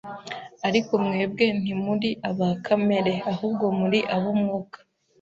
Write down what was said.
Ariko mwebwe ntimuri aba kamere, ahubwo muri ab'Umwuka